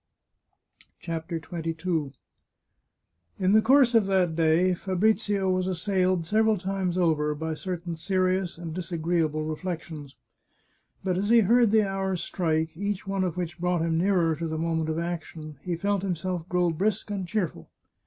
CHAPTER XXII In the course of that day Fabrizio was assailed, several times over, by certain serious and disagreeable reflections. But as he heard the hours strike, each one of which brought him nearer to the moment of action, he felt himself grow brisk and cheerful.